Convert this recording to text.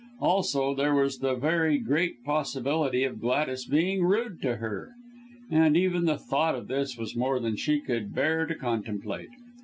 Also there was the very great possibility of Gladys being rude to her and even the thought of this was more than she could bear to contemplate.